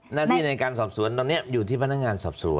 หน้าที่ในการสอบสวนตอนนี้อยู่ที่พนักงานสอบสวน